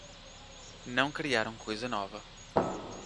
Não criaram coisa nova.